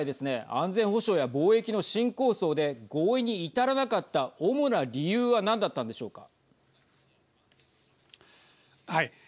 安全保障や貿易の新構想で合意に至らなかった主な理由は何だったんでしょうか。